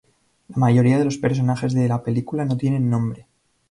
La mayoría de los personajes de la película no tienen nombre.